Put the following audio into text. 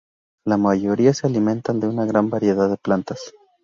La mayoría se alimentan de una gran variedad de plantas.